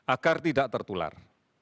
agar tidak tertular